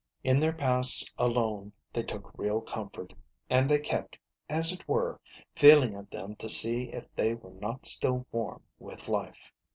In their pasts alone they took real comfort, and they kept, as it were, feeling of them to see if they were not still warm with life.